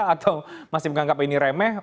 atau masih menganggap ini remeh